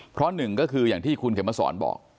เพราะหนึ่งก็คืออย่างที่คุณเข็มมาสอนบอก